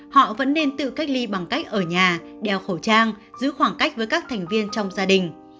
họ vẫn nên tự cách ly bằng cách ở nhà đeo khẩu trang giữ khoảng cách với các thành viên trong gia đình